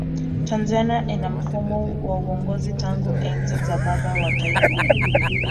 tanzania ina mfumo wa uongozi tangu enzi za baba wa taifa